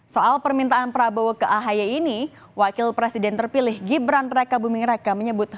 soal permintaan prabowo ke ahy ini wakil presiden terpilih gibran raka buming raka menyebut